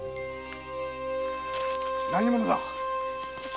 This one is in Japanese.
何者だ？